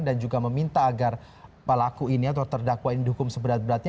dan juga meminta agar pelaku ini atau terdakwa ini dihukum seberat beratnya